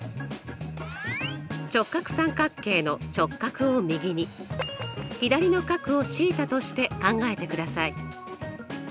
直角三角形の直角を右に左の角をθとして考えてください。